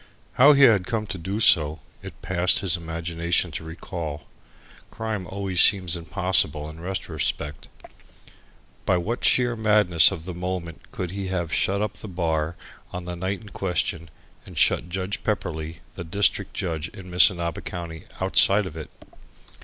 How he had come to do so, it passed his imagination to recall. Crime always seems impossible in retrospect. By what sheer madness of the moment could he have shut up the bar on the night in question, and shut Judge Pepperleigh, the district judge in Missinaba County, outside of it?